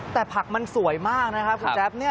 แต่ผักมันสวยมากนะครับคุณแจ๊บ